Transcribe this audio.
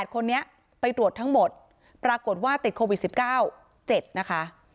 ๘คนนี้ไปตรวจทั้งหมดปรากฏว่าติดโควิด๑๙๗นะคะ